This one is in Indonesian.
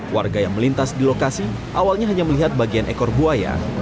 warga yang melintas di lokasi awalnya hanya melihat bagian ekor buaya